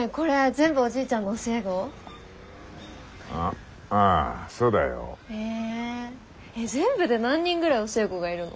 全部で何人ぐらい教え子がいるの？